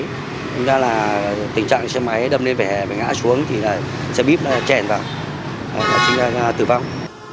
thế nên là tình trạng xe máy đâm lên vẻ và ngã xuống thì xe buýt nó chèn vào và xin ra tử vong